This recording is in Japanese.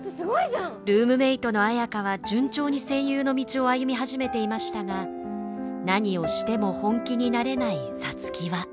ルームメートの綾花は順調に声優の道を歩み始めていましたが何をしても本気になれない皐月は。